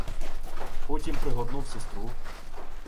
Потім пригорнув сестру.